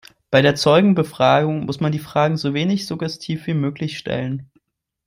Bei einer Zeugenbefragung muss man die Fragen so wenig suggestiv wie möglich stellen.